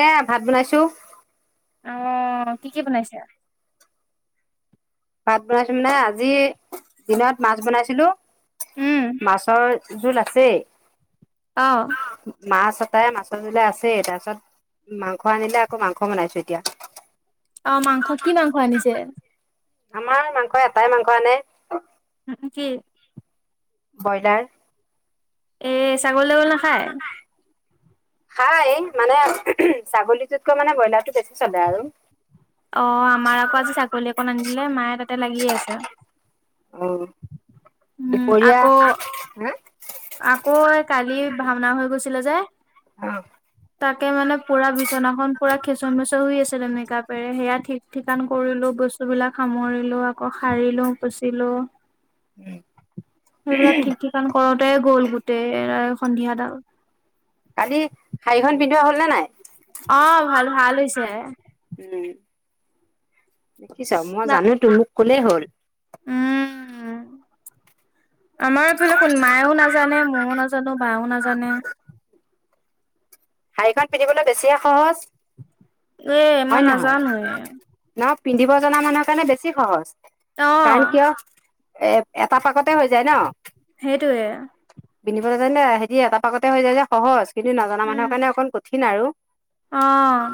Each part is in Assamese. এ ভাত বনাইছো অ কি কি বনাইছো ভাত বনাইছো মানে আজি দিনত মাছ বনাইছিলো উম। মাছৰ জোল আছে অ মাছ এটাই মাছ জিলে আছেই তাৰপিছত মাংস আনিলে আকৌ মাংস বনাইছো এতিয়া অ মাংস কি মাংস আনিছে আম মংকস এটাই মাংকনেে উম কি ব্ৰইলাৰ এ ছাগল লউল নাখায় খাই মানে ছাগলীটোতকৈ মানে ব্ৰইলাৰটো বেছি চলে আৰু অ আমাৰ আকৌ আজি ছাগলী অকণ আনিলে মায়ে তাতে লাগিয় আছে অ উম, দুপৰীয়া আকৌ হা আকৌ এই কালি ভাওনা হৈ গৈছিলে যে অ তাকে মানে পুৰা বিচনাখন পুৰা খেঁচৰ মেচৰ শুই আছে মেকাপেৰে সেয়া ঠিক ঠিকান কৰিলো বস্তু বিলাক সামৰিলো আকৌ সাৰিলো পুচিলো সেইবিলাক ঠিক ঠিকান কৰ গ'ল গোটেই এ সন্ধিয়া দাল কালি শাৰীখন পিন্ধোৱা হল নে নাই অ ভাল ভাল হৈছে উম দেখিছ মই জানো তো মোক কলেই হল উম। আমাৰ এইফালে কোন মায়েও নাজানে ময়ো নাজানো বাও নাজানে। শাৰীখন পিন্ধিবলৈ বেছিয়ে সহজ, এ মই হয় নহয় নাজানোৱে নহ- পিন্ধিব জনা মানুহৰ কাৰণে বেছি সহজ অ । কাৰণ কিয়? এ এটা পাকতে হৈ যায় ন। সেইটোৱে হয় ন হেতি এটা পাকতে হৈ যায় যে সহজ কিন্তু নজনা মানুহে। কঠিন আৰু অহ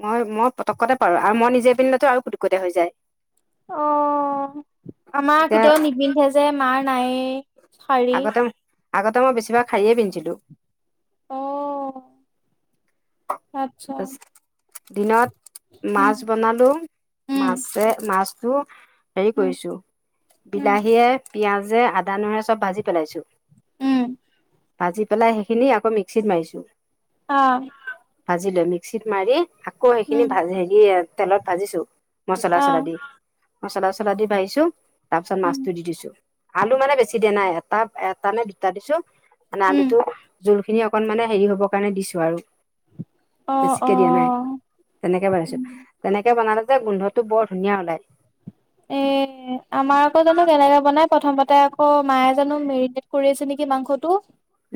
মই মই পতক্কতে পাৰো আৰু মই নিজে পিন্ধিলেতো আৰু পুটুকতে হৈ যায় অ আমাৰ এতিয়া কেতিয়াও নিপিন্ধে যে মাৰ নাইয়ে শাৰি আগতে আগতে মই বেছিভাগ শাৰীয়েই পিন্ধিছিলোঁ অ তাত তচ দিনত উম মাছ বনালো উম মাছে মাছ তো হেৰি উম কৰিছো উম বিলাহীয়ে পিয়াঁজে আদা নহৰু চব ভাজি পেলাইছো উম ভাজি পেলাই সেইখিনি আকৌ মিক্সিত মাৰিছো অ ভাজি লৈ মিক্সিত মাৰি আকৌ সেইখিনি উম ভাজ হেৰি তেলত ভাজিছো মছলা অ চছলা দি। মছলা চছলা দি ভাজিছো তাৰ পিছত উম মাছটো দি দিছো। আলু মানে বেছি দিয়া নাই এটা এটা নে দুটা দিছো। মানে উম আলুটো জোল খিনি অকণমানে হেৰি হ'বৰ কাৰণে দিছো আৰু, অ অ বেছিকে দিয়া নাই তেনেকে বানাইছো তেনেকে বনালে যে গোন্ধটো বৰ ধুনীয়া ওলাই। এ আমাৰ আকৌ জানো কেনেকে বনাই প্ৰথমতে আক- অ মায়ে জানো মেৰিটেত কৰি আছে নেকি মাংসটো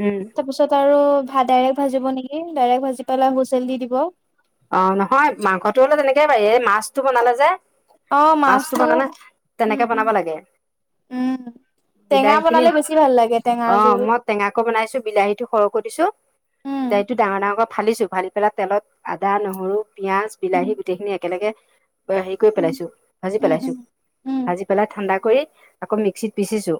উম তাপিছত আৰু, ভাত ডাইৰেক্ট ভাজিব নেকি ডাইৰেক্ট ভাজি পেলাই হুঁচেল দি দিব। অ নহয় মাংসটো হলে তেনেকেই পাৰি এই মাছটো বনালে যে, অ মাছতো মাছটো বনালে তেনেকে উম উম বনাব লাগে। উম টেঙা বিলাহী খিনি বনালে বেছি ভাল লাগে টেঙাৰ অ জোল মই টেঙাকো বনাইছো বিলাহীটো সৰুকৈ দিছো। উম দাৰিটো ডাঙৰ ডাঙৰ ক- ফালিছোঁ ফালি পেলাই তেলত আদা নহৰু পিঁয়াজ উম বিলাহী গোটেইখিনি একেলগে হেৰি কৰি উম পেলাইছো ভাজি উম পেলাইছো উম ভাজি পেলাই ঠাণ্ডা কৰি আকৌ মিক্সিত পিচিছো।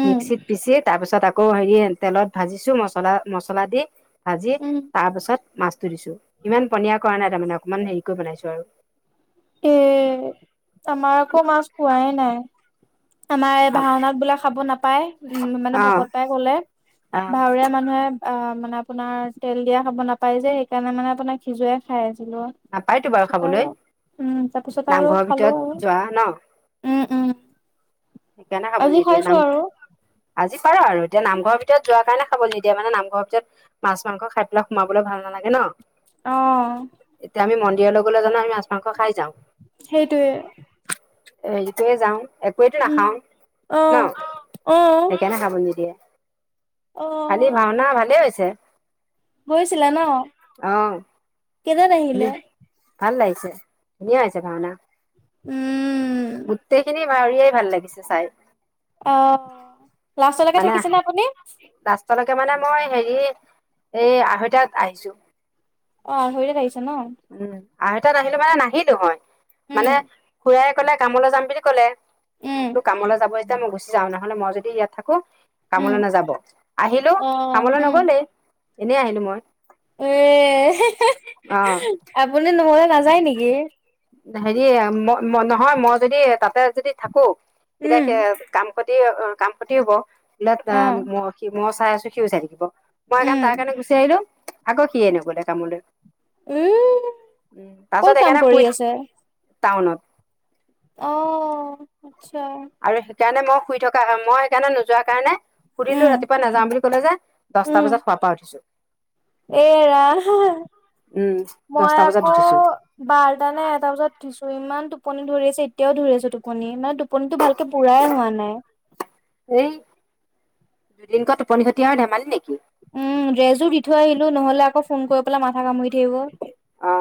উম মিক্সিত পিচি তাৰ পিছত, তাত আকৌ হেৰি তেলত ভাজিছো মছলা মছলা দি ভাজি উম তাৰ পাছত মাছটো দিছো। ইমান পনীয়া কৰা নাই তাৰমানে অকমান হেৰিকৈ বনাইছো আৰু, এ আমাৰ আকৌ মাছ খোৱাই নাই। আমাৰ এই ভাওনাত বোলে খাব নাপায় উম মানে অ ভকত এটাই কলে। অ ভাৱৰীয়া মানুহে আ মানে আপোনাৰ তেল দিয়া খাব নাপাই যে সেইকাৰণে মানে আপোনাৰ সিজুৱাই খাই । হে লোৱা নাপায়তো বাৰু তাৰপিছত খাবলৈ আৰু উম তাৰপিছত আৰু নামঘৰৰ খালো ভিতৰত যোৱা ন উম। উম সেইকাৰণে খাবলৈ আজি নিদিয়ে খাইছো নাম আৰু। আজি পাৰ আৰু এতিয়া নামঘৰৰ ভিতৰত যোৱাৰ কাৰণে খাব নিদিয়ে মানে নামঘৰ ভিতৰত মাছ মাংস খাই পেলাই সোমাবলে ভাল নালাগে ন। অহ ইয়াৰ লগলে জানো আমি মাছ মাংস খাই যাওঁ। সেইটোৱে। এৰি থৈ যাওঁ এ। উম, নাখাওঁ ন, অ', অ', সেইকাৰণে খাব নিদিয়ে। কালি অ', ভাওনা ভালে হৈছে। গৈছিলা ন অ কেইজন আহিলে । ধুনিয়া হৈছে ভাওনা উম, গোটেই খিনি। মাউৰিয়াই ভাল লাগিছে চাই । অ লাষ্টলৈকে থাকিছেনে আপুনি। পতককে মানে মই হেৰি এই আঢ়ৈতাত আহিছো । অ আঢ়ৈতাত আহিছে ন। তাত আহিলো মানে নাহিলো হয় ময়ো উম, মানে খুড়াই কলে কামলৈ যাম বুলি কলে । মই উম, বোলো কামলৈ যাব যেতিয়া মই গুচি যাওঁ নহ'লে মই যদি ইয়াত থাকো উম, কামলে নাযাব আহিলো অ', কামলে উম, নগলেই এনেই আহিলো মই। এ অ আপুনি নহলে নাযায় নেকি? হেৰি ম নহয় মই যদি তাতে যদি থাকো তেতিয়া উম, সে কাম অ কাম খতি হব বোলে অ মই চাই আছো সিও চাই থাকিব । উম, মই তাৰ কাৰণে গুচি আহিলো আকৌ সিয়ে নগলে কামলে। উম ক'ত কাম সেইকাৰণে কৰি শুই আছে? টাউনত অহ আচ্ছা আৰু সেইকাৰণে মই শুই থকা হয় মই সেইকাৰণে নোযোৱা কাৰণে সুধিলো উম, ৰাতিপুৱা নাযাওঁ বুলি কলে যে দহটা বজাত শোৱাৰ পৰা উঠিছো। এৰা উম মই দহটা বজাত আকৌ উঠিছো বাৰটা নে এটা বজাত উঠিছো ইমান। টোপনি ধৰি আছে এতিয়াও ধৰি আছো টোপনি মানে টোপনিটো ভালকে পুৰাই হোৱা নাই। এই দুদিনক টোপনি খতি হয় নাই ধেমালি নেকি । উম ডেজো দি থৈ আহিলো নহলে আকৌ ফোন কৰি পেলাই মাথা কামুৰি থাকিব । অ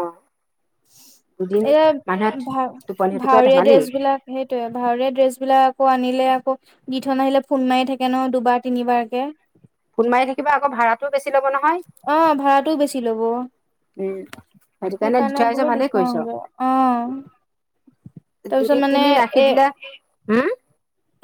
[unintelligible] এয়া মানুহে ভা টোপনি খতি কৰা ভাৱৰীয়া ধেমালি ড্ৰেছ বিলাক সেইটোয়ে ভাৱৰীয়া ড্ৰেছ বিলাক । আকৌ আনিলে আকৌ দি থৈ আহিলে ফোন মাৰি থাকে ন দুবাৰ তিনিবাৰকে । ফুল মাৰি থাকিব আক ভাড়াটো বেছি। ল'ব নহয় অ ভাড়াটোও বেছি লব। উম সেইটো কাৰণে সেইকাৰণে থৈ আহিছ বোলো দি ভালেই কৰিছ থওঁগে অ। তাৰপিছ মানে এ। হুম।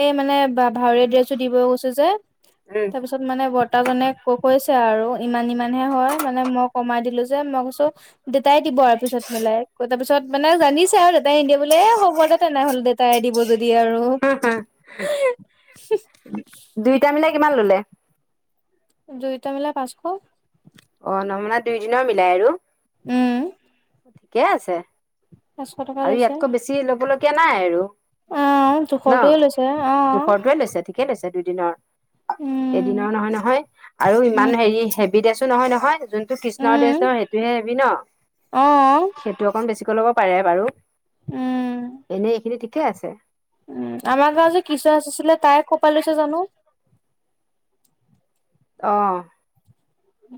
এই মানে ভাৱৰীয়া ড্ৰেছটো দিব গৈছে যে উম তাৰপিছত মানে । দেতা জনে ক কৈছে আৰু ইমান ইমানহে হয় মানে মই কমাই দিলো যে মই কৈছো। দেতাই দিব আৰু পিছত মিলাই তাৰ পিছত মানে জানিছে আৰু দেতাই নিদিয়ে বোলি এ হ'ব দে তেনেহ'ল দেতাই দি । দিব যদি আৰু। হুম, দুইটা মিলাই কিমান ললে। দুইটা মিলাই পাঁচশ । অ নমনা দুই দিনৰ মিলাই আৰু। উম। ঠিকে আছে পাঁচশ টকা আৰু লৈছে ইয়াতকৈ বেছি লব লগীয়া নাই আৰু। অ ন জোখৰটোৱে লৈছে অ জোখৰটোয়ে লৈছে ঠিকে লৈছে। দিনৰ উম এদিনৰ নহয় নহয় আৰু ইমান উম হেৰি হেভি দেছো নহয় নহয় । যোনটো কৃষ্ণৰ ডেশ উম ন সেইটোহে হেবি ন অ সেইটো অকণ বেছিকৈ ল'ব পাৰে বাৰু। এনেই এইখিনি ঠিকে আছে। উ আমাৰ গাঁও যে কৃষ্ণ নাছিছিলে তাই ক'পা লৈছে জানো । অহ।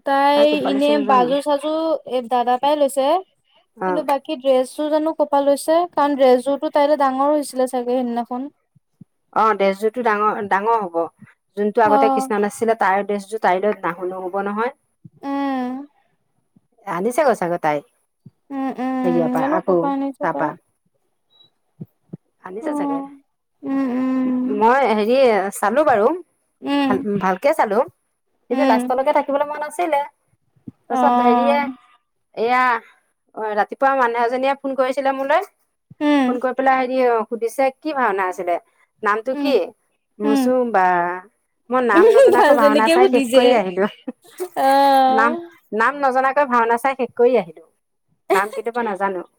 তাই এনে বাজু চাজু এ দাদাৰ পৰাই লৈছে। অ কিন্তু বাকী ড্ৰেছ। জানো কপ লৈছে কাৰণ ড্ৰেজজোটো তাইলৈ ডাঙৰ হৈছিলে চাগে সিদিনাখন । অ দেশযোৰটো ডাঙৰ ডাঙৰ হব যোনতটো আগতে উম, কৃষ্ণা আছিলে তাৰ ডেছযোৰটো । ষ্টাইলত ডাঙৰ নহ'ব নহয়। উম। আনিছেগৈ চাগে তাই। উম, উম, সৰিয়াপা জানো আকৌ ক'পা আনিছে তাপা। তাই আনিছে চাগে উম। উম, উম, মই হেৰি চালো বাৰু । ভাল উম, ভালকে চালো কিন্তু উম, লাষ্টলৈকে থাকিবলৈ মন আছিলে । তাৰপাছত হেৰিয়ে অ', । এয়া অ ৰাতিপুৱা মানুহ এজনীয়ে ফোন কৰিছিলে মোলৈ । উম, ফোন কৰি পেলাই হেৰি অ সুধিছে কি ভাওনা আছিলে নামটো উম। কি । উম, মোৰচো বা মই নাম উম, নজনাকৈ ভাওনা ভালজনীকে চাই শেষ সুধিছে কৰি আহিলো । অ', নাম-নাম নজনাকৈ ভাওনা চাই শেষ কৰি আহিলো নাম কেতিয়াবা নাজানো ।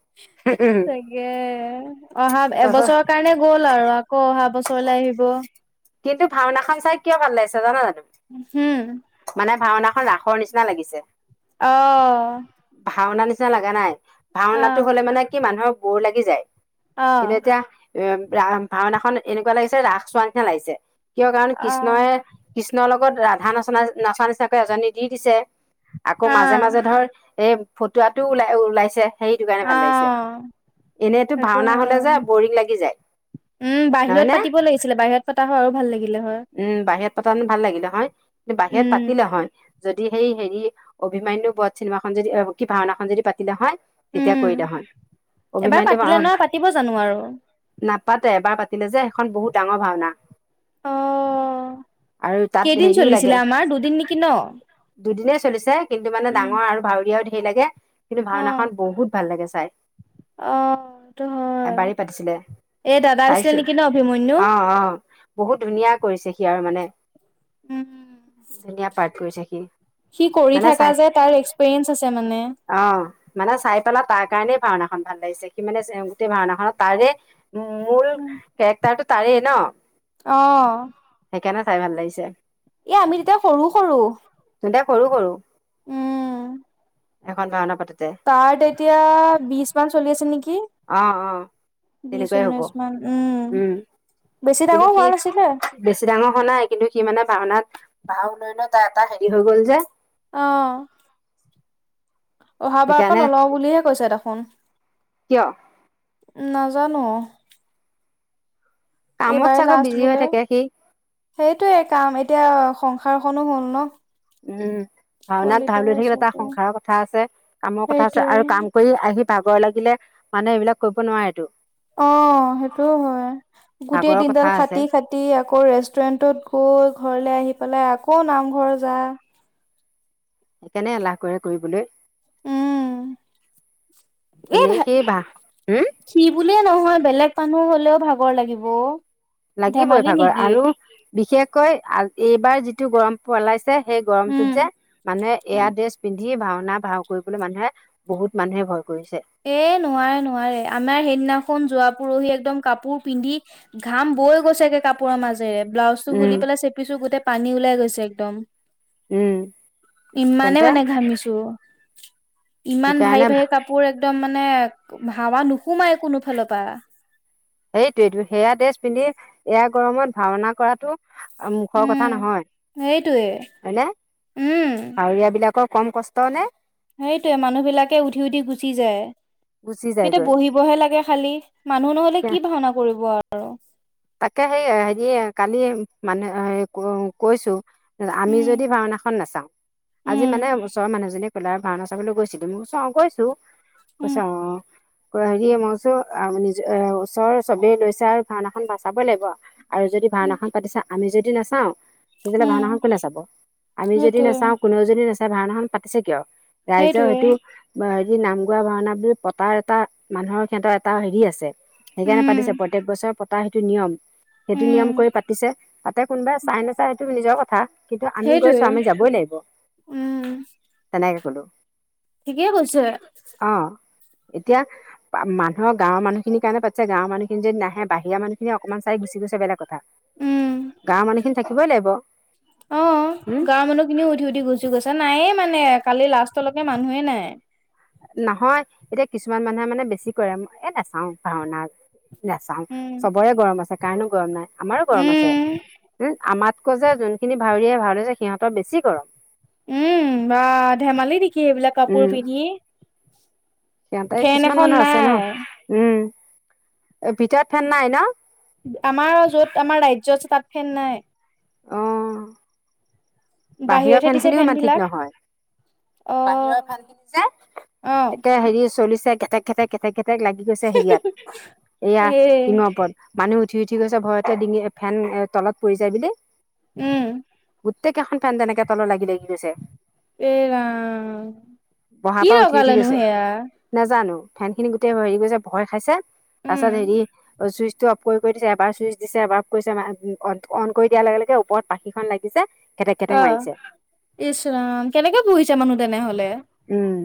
চাগে অহা এবছৰৰ কাৰনেে গ'ল আৰু আকৌ অহা বছৰ । চল আহিব । কিন্তু ভাওনাখন চাই কিয় ভাল লাগিছে জান জানে । হুম । ভাওনাখন ৰাসৰ নিচিনা লাগিছে । অহ । নিচিনা লগা নাই ভাওনাটো হলে মানে কি মানুহৰ বোৰ লাগি যায় কিন্তু অ', এতিয়া এ। ৰা ভাওনাখন এনেকুৱা লাগিছে ৰাস চোৱাৰ নিচা লাগিছে কিয় কাৰণ অ', কৃষ্ণইে কৃষ্ণৰ লগ লগত ৰাধা নচনা নচা হিচাপে নিচিনাকৈ এজনী দি দিছে আকৌ মাজে মাজে অ', ধৰ । এ ফটোৱাটো ওলাই ওলাইছে। সেইটো কাৰণে ভাল লাগিছে অ', এনেইতো সেইটো ভাওনা হলে হয়। যে বৰিং লাগি যায়। উম নহয় বাহিৰত নে পাতিব লাগিছিলে বাহিৰত পতা হয় আৰু ভাল লাগিল। উম বাহিৰত পতা মানে ভাল লাগিলে হয় কি বাহিৰত উম পাতিলো হয়। যদি সেই হেৰি অভিমান্যু বত চিনেমাখন যদি কি ভাওনাখন যদি পাতিলে হয়। তেতিয়া উম কৰিলে হয় এবাৰ অভিমান্যু পাতিলা আহ নহয় পাতিব জানো আৰু নাট। পাতে এবাৰ পাতিলে যে সেইখন বহুত ডাঙৰ ভাওনা। অ আৰু তাত কেইদিন হেৰিও লাগে। চলিছিলে আমাৰ দুদিন নেকি ন দুদিনেই চলিছে কিন্তু মানে উম ডাঙৰ আৰু ভাউৰীয়াও ধেৰ লাগে কিন্তু ভাওনাখন বহুত ভাল লাগে। চাই। আহ সেইটো হয়। এবাৰেই পাতিছিলে এ দাদা হৈছিলে চাইছো নেকি ন অভিমন্যু অ । অ বহুত ধুনীয়া কৰিছে সি আৰু মানে উম ধুনীয়া পাঠ কৰিছে সি । সি কৰি মানে থকা চাই যে তাৰ এক্সপিৰিয়েঞ্চ আছে মানে অ মানে চাই পেলাই তাক। কাৰণে ভাওনাখন ভাল লাগিছে সি মানে গোটেই ভাওনাখনত তাৰে মূল কেৰেক্টাৰটোত। তাৰেই ন। আহ । সেইকাৰণে চাই ভাল লাগিছে । এ আমি তেতিয়া সৰু-সৰু সৰু-সৰু উম সেইখন ভাওনা পাতে তাৰ তেতিয়া বিশ মান চলি আছিল নেকি অ-অ বিশ তেনেকুৱাই হব ঊনৈশ মান উম বেছি কিন্তু ডাঙৰ সি হোৱা নাছিলে বেছি ডাঙ ভাওনাই কিন্তু সি মানে ভাওনাত ভাও লৈ-লৈ তাৰ এটা হেৰি হৈ গ'ল যে অ অহাবাৰ পৰা সেইকাৰণে নলও বুলিহে কৈছে দেখোন কিয় নাজানোঁ । কামত এইবাৰেই চাগৈ লাষ্ট বিজি হৈ বোলে থাকে সি । সেইটোয়েই কাম ।এতিয়া সংসাৰখনো হ'ল ন' ওঁ । ভাওনাত পোৱালিটো ভাও লৈ হৈছে থাকিলে তা এতিয়া সংসাৰৰ কথা আছে । কামৰ কথা আছে আৰু সেইটোয়ে কাম কৰি আহি ভাগৰ লাগি ছিলে । মানে এইবিলাক কব নোৱাৰেটো অঁ, সেইটো হ'য় । গোটেই ভাগৰৰ কথা দিনদাল আছে খাটি খাটি আকৌ ৰেষ্টুৰেণ্টত গৈ অ ঘৰলে আহি পেলাই আকৌ নামঘৰ যা সেইকাৰণে এলাহ কৰে কৰিবলৈ । এ হম ভে--সি বুলিয়ে নহয়, বেলেগ মানুহ হ লেও ভাগৰ লাগিব অও। লাগিবই ভাগৰ আৰু বিশেষকৈ আ এইবাৰ যিটো গৰম পেলাইছে । সেই গৰমটোত যে উম মানুহে এয়া ড্ৰেছ পিন্ধি ভাওনা- ভাও কৰিবলৈ মানুহে, বহুত মানুহে ভয় কৰিছে এ নোৱাৰে, নোৱাৰে আমাৰ সেইদিনা খন, যোৱা পৰহি একদম কাপোৰ পিন্ধি, ঘাম বৈ গৈছেগে কাপোৰৰ মাজেৰে । ব্লাউজটো উম খুলি পেলাই চেপিছোঁ, গোটেই পানী ওলাই গৈছে একদম উম । ইমানে তেন্তে মানে, ঘামিছোঁ । ইমান সেইকাৰণে ভাৰি- ভাৰি কাপোৰ এক মানে, হাৱা নোসোমাই কোনো ফালপা । সেইটোৱেটো সেয়া ড্ৰেছ পিন্ধি, এয়া গৰমত ভাওনা কৰাটো আ মুখৰ উম কথা নহ'য়, সেইটোৱে হ'য়নে? উম ভাওৰীয়া বিলাকক কম কষ্ট নে? সেইটোৱে, মানুহ বিলাকে উঠি উঠি গুচি যায় । গুচি হেঁতে যায়গৈ বহিবহে লাগে খালি । মানুহ নহ'লে কি ভাওনা কৰিব আৰু তাকে, সেইয়ে সিয়ে কালি মানে, আ--এ ক কৈছো আমি উম যদি ভাওনাখন নাচাওঁ । আজি উম মানে, ওচৰৰ মানুহখিনিয়ে ক'লে আও, ভাওনা চাবলৈ গৈছিলি? মই কৈছো, 'অঁ গৈছোঁ '। উম কৈছে অঁ, কৈ হেৰি, মই কৈছো আপুনি নিজে ও চৰ চবেই গৈছে আৰু ভাওনাখন বা চাবই লাগিব আও আৰু যদি উম ভাওনাখন পাতিছে আমি যদি নাচাওঁ তেতিয়া হ'লে উম ভাওনাখন কোনে চাব? আমি যদি সেইটোৱে নাচাওঁ, কোনেও যদি নাচাই, ভাওনাখন পাতিছে কিয়? ৰাইজৰ সেইটোৱে হেইটো ভাৰ্‌ দি নাম গোৱা ভাওনা বুলি পতাৰ এটা মানুহৰ, হেঁতৰ এটা হেৰি আছে । সেইকাৰণে পাতিছে। উম প্ৰত্যেক বছৰে পতা সেইটো নিয়ম ।সেইটো উম নিয়ম কৰি পাতিছে পা তাতে কোনোবাই চাই, নাচাই সেইটো নিজৰ কথা । কিন্তু আমি সেইটোৱে গৈছোঁ, আমি যাবই লাগিব উম ।তেনেকে ক'লো ঠিকেই কৈছে । অ এতিয়া, বা-মানুহ গাঁৱৰ মানুহখিনিৰ কাৰণে পাতিছে। গাঁৱৰ মানুহখিন যদি নাহে, বাহিৰা মানুহ এনে অকমান চাই গুচি গৈছে বেলেগ কথা । উম গাঁৱৰ মানুহ খিনি থাকিবই লাগিব । অঁ, গাঁৱৰ মানুহ খিনিও উঠি উঠি গুচি গৈছে । তাত নায়েই মানে, কালি লাষ্টলৈকে মানুহে নাই । নহয় ।এতিয়া কিছুমান মানুহে মানে বেছি কৰে। এ নেচাওঁ ভাওনা নাচাওঁ, উম চবৰে গৰম আছে, কাৰনো গৰম নাই। আমাৰো গৰম আছে উম ।হোঁ আমাত্‌ কৈ যে যোনখিনি ভাওৰীয়াই ভাওদিছে সিহঁতৰ বেছি গৰম । উম, বাঃ ধেমালি নেকি, এইবিলাক কাপোৰ উম পিন্ধি সিহঁতে ফেন কিছুমান এখন মানুহ আছে ন'। নাই উম, এ ভিতৰত ফেন নাই ন'? আমাৰ য'ত, আমাৰ ৰাজ্যত তাত ফেন নাই । অ বাহিৰৰ বাহিৰতহে ফেন দিছে খিনিও ইমান ঠিক বিলাক নহয় অ । বাহিৰৰ ফেনিখিনি যে অ এতিয়া হেৰি, চলিছে। ঘেটেক ঘেটেক ঘেটেক ঘেটেক লাগি গৈছে হেৰিয়াত। এয়া এ টিঙৰ ওপৰত । মানুহ উঠি উঠি গৈছে । ভয়তে ডিঙি, ফেন তলত পৰি যায় বুলি । উম। প্ৰত্যকেইখন ফে তেনেক তল লাগি দে । এ ৰাম। বহাৰ কি পৰা উঠি উঠি লগালেনো গৈছে সেয়া নাজানো। ফেন খিনি গোটেই হেৰি কৰিছে ভয় খাইছে তাৰ উম পাছত হেৰি চুইচ। টো অফ কৰি দিছে এবাৰ চুইচ দিছে এবাৰ অফ কৰিছে অন কৰি দিয়াৰ লগে লগে ওপৰত পাখিখন লাগিছে। খেটেক খেটেক আহ মাৰিছে ইচৰাম কেনেকে পুহিছে মানুহ তেনেহলে। উম